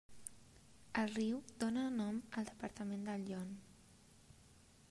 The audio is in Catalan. El riu dóna nom al departament del Yonne.